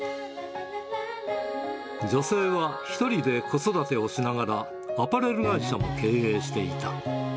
女性は１人で子育てをしながら、アパレル会社を経営していた。